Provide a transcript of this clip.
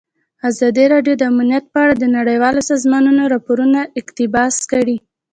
ازادي راډیو د امنیت په اړه د نړیوالو سازمانونو راپورونه اقتباس کړي.